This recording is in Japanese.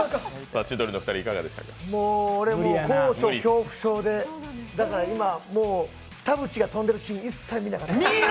俺もう高所恐怖症で田渕が飛んでるシーン一切見なかった。